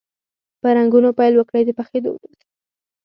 په رنګولو پیل وکړئ د پخېدو وروسته.